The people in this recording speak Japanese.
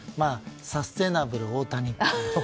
サステナブル大谷。